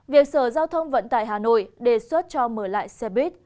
việc sở giao thông vận tải hà nội đề xuất cho mở lại xe buýt